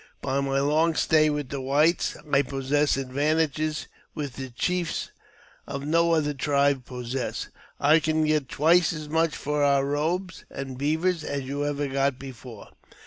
By my long stay with; the whites, I possess advantages which the chiefs of no other tribes possess. I can get twice as much for our robes and beavers as you ever got before.